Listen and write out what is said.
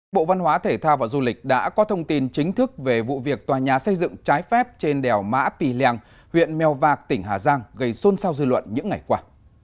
bộ văn hóa thể thao và du lịch đã có thông tin chính thức về vụ việc tòa nhà xây dựng trái phép trên đèo mã pì lèng huyện mèo vạc tỉnh hà giang gây xôn xao dư luận những ngày qua